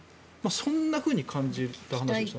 そんなふうに感じたんですが。